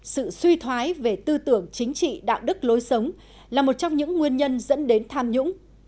sự suy thoái về tư tưởng chính trị đạo đức lối sống là một trong những nguyên nhân dẫn đến tham nhũng